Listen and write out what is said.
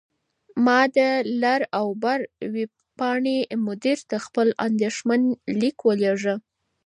ما د «لر او بر» ویبپاڼې مدیر ته خپل اندیښمن لیک ولیږه.